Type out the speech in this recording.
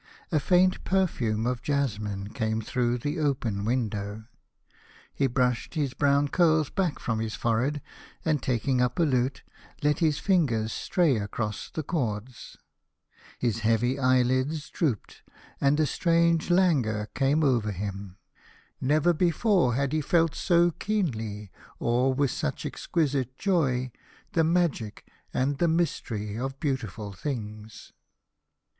A faint perfume of jasmine came through the open window. He brushed his brown curls back from his forehead,' and taking up a lute, let his fingers stray across the cords. His heavy eyelids drooped, and a strange languor came over him. Never before had he felt so keenly, or with such exquisite joy, the magic and the mystery of beautiful things.